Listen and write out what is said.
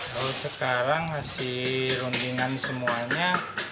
kalau sekarang hasil rundingan semuanya